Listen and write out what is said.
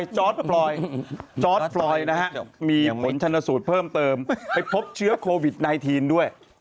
จอร์ดพลอยจอร์ดพลอยนะฮะมีผลชนสูตรเพิ่มเติมไปพบเชื้อโควิด๑๙ด้วย